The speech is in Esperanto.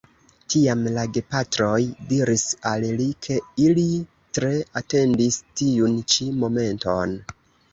Tiam la gepatroj diris al li, ke ili tre atendis tiun ĉi momenton.